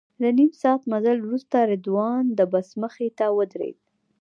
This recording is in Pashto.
له نیم ساعت مزل وروسته رضوان د بس مخې ته ودرېد.